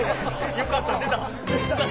よかった出た。